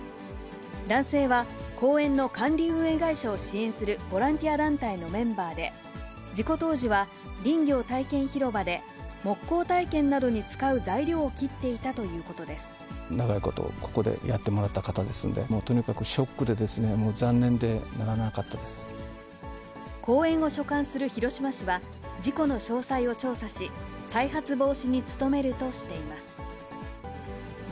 男性は、公園の管理運営会社を支援するボランティア団体のメンバーで、事故当時は、林業体験広場で木工体験などに使う材料を切っていたということで長いこと、ここでやってもらった方ですので、もうとにかくショックでですね、公園を所管する広島市は、事故の詳細を調査し、再発防止に努めるとしています。